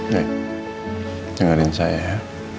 nek dengerin saya ya